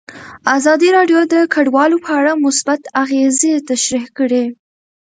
ازادي راډیو د کډوال په اړه مثبت اغېزې تشریح کړي.